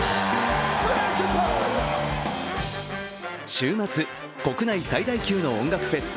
週末、国内最大級の音楽フェス